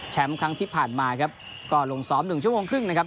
ครั้งที่ผ่านมาครับก็ลงซ้อมหนึ่งชั่วโมงครึ่งนะครับ